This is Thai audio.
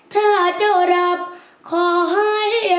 ไปอีกนะ